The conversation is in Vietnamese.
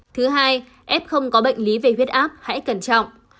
thứ hai f không có bệnh lý về huyết áp hãy cẩn trọng